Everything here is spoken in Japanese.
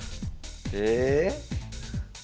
え？